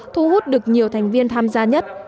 thu hút được nhiều thành viên tham gia nhất